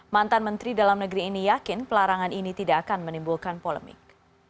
mantan menteri dalam negeri ini yakin pelarangan ini tidak akan menimbulkan polemik